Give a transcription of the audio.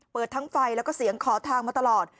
เปิดทั้งไฟแล้วก็เสียงขอทางมาตลอด